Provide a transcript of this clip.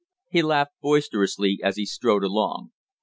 He laughed boisterously as he strode along.